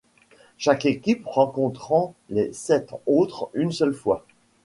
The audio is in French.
Chaque équipes rencontrant les sept autres une seule fois.